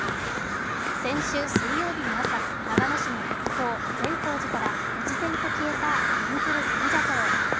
先週水曜日の朝、長野市の国宝・善光寺から忽然と消えたびんずる尊者像。